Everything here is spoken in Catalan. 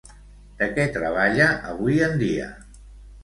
De què treballa avui en dia?